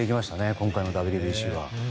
今回のＷＢＣ。